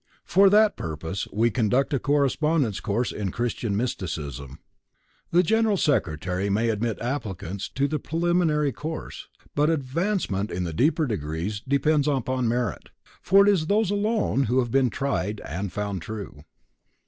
For that purpose we conduct a correspondence course in Christian Mysticism. The General Secretary may admit applicants to the preliminary course, but advancement in the deeper degrees depends upon merit. It is for those alone who have been tried, and found true.